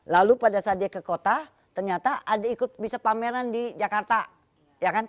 lalu pada saat dia ke kota ternyata ada ikut bisa pameran di jakarta